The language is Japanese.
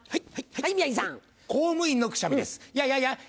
はい！